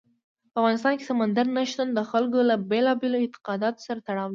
په افغانستان کې سمندر نه شتون د خلکو له بېلابېلو اعتقاداتو سره تړاو لري.